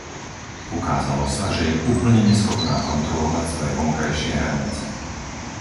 Ukázalo sa, že je úplne neschopná kontrolovať svoje vonkajšie hranice.